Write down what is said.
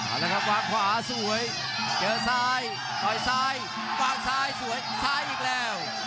เอาละครับวางขวาสวยเจอซ้ายต่อยซ้ายวางซ้ายสวยซ้ายอีกแล้ว